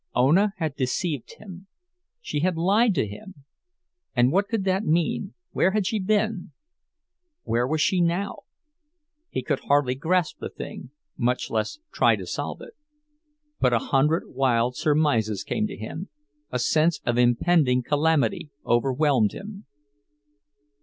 Ona had deceived him! She had lied to him! And what could it mean—where had she been? Where was she now? He could hardly grasp the thing—much less try to solve it; but a hundred wild surmises came to him, a sense of impending calamity overwhelmed him.